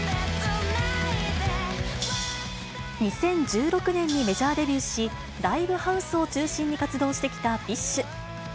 ２０１６年にメジャーデビューし、ライブハウスを中心に活動してきたＢｉＳＨ。